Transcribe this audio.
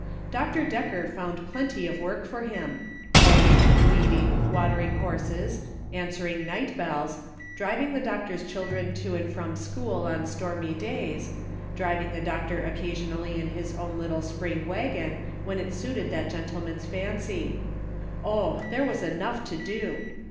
Dr. Decker found plenty of work for him — hoeing, weeding, watering horses, answering night bells, driving the doctor's children to and from school on stormy days, driving the doctor occasionally in his own little spring wagon when it suited that gentleman's fancy ; oh ! there was enough to do.